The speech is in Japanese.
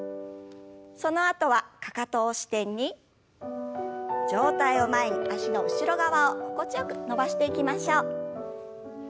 そのあとはかかとを支点に上体を前に脚の後ろ側を心地よく伸ばしていきましょう。